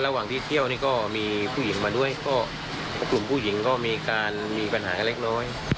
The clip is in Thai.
ระหว่างที่เที่ยวก็มีผู้หญิงมาด้วยกลุ่มผู้หญิงก็มีปัญหาเล็กน้อย